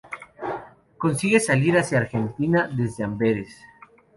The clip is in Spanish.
Consigue salir hacia Argentina desde Amberes.